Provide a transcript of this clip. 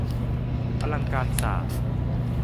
อลังการศาสตร์